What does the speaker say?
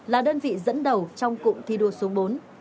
là đơn vị dẫn đầu trong cụm thi đua số bốn